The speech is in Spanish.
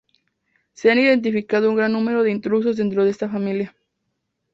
Se han identificado un gran número de intrusos dentro de esta familia.